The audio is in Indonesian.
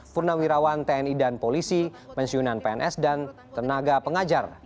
purnawirawan tni dan polisi pensiunan pns dan tenaga pengajar